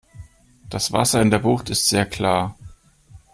Das Wasser in der Bucht ist sehr klar.